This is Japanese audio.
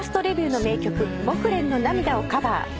レビューの名曲『木蘭の涙』をカバー。